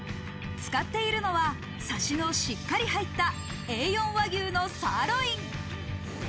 使っているのは、さしのしっかり入ったＡ４和牛のサーロイン。